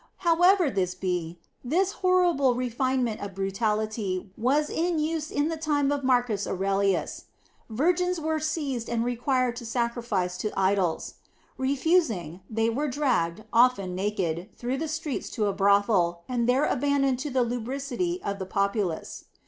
However this be, this horrible refinement of brutality was in use in the time of Marcus Aurelius. Virgins were seized and required to sacrifice to idols. Refusing, they were dragged, often naked, through the streets to a brothel, and there abandoned to the lubricity of the populace.